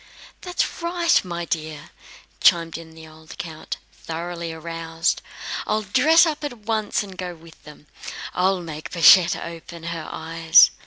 "That's right, my dear," chimed in the old count, thoroughly aroused. "I'll dress up at once and go with them. I'll make Pashette open her eyes."